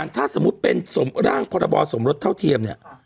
ถ้าสมมุติเป็นร่างพรบสมรสเท่าเทียมเนี่ย